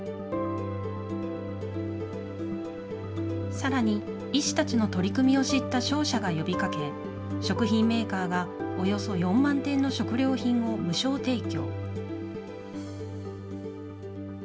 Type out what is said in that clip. さらに医師たちの取り組みを知った商社が呼びかけ、食品メーカーが、およそ４万点の食料品を無償提供。